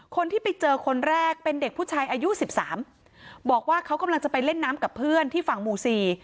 คนที่ไปเจอคนแรกเป็นเด็กผู้ชายอายุสิบสามบอกว่าเขากำลังจะไปเล่นน้ำกับเพื่อนที่ฝั่งหมู่สี่